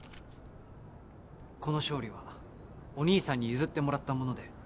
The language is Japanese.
この勝利はお兄さんに譲ってもらったもので